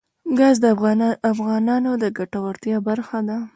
ګاز د افغانانو د ګټورتیا برخه ده.